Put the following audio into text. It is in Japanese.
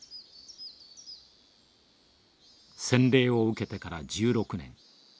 洗礼を受けてから１６年。